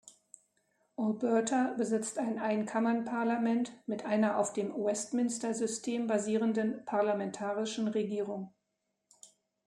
Alberta besitzt ein Einkammernparlament mit einer auf dem Westminster-System basierenden parlamentarischen Regierung.